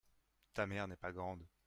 ta mère n'est pas grande.